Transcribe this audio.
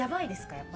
やっぱり。